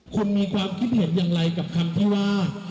คุณมีความคิดเห็นอย่างไรกับคำที่ว่า